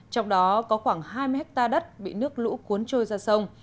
trong đó có khoảng hai mươi hectare đất bị nước lũ cuốn trôi ra sông